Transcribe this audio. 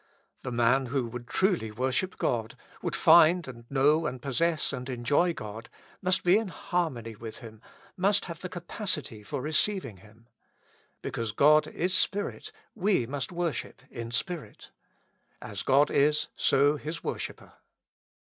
The man who would truly wership God, would find and know and possess and enjoy God, must be in harmony with Him, must have the capacity for receiving Him. Because God is Spirit., we must worship in spirit. As God is, so His worshipper.